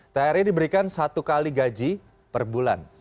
thr ini diberikan satu kali gaji per bulan